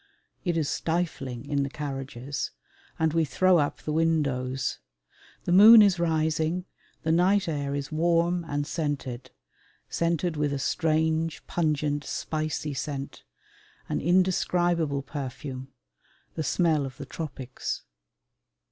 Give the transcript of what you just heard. It is stifling in the carriages, and we throw up the windows. The moon is rising, the night air is warm and scented scented with a strange pungent, spicy scent an indescribable perfume the smell of the tropics.